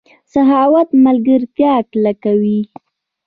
سخاوت ملګرتیا کلکوي.